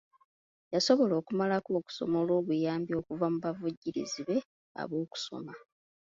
Yasobola okumalako okusoma olw'obuyambi okuva mu bavujjirizi be ab'okusoma.